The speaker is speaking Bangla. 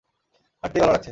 হাঁটতেই ভালো লাগছে।